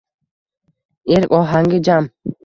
Erk ohangi jam.